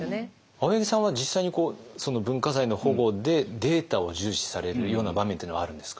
青柳さんは実際に文化財の保護でデータを重視されるような場面っていうのはあるんですか？